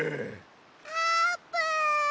あーぷん。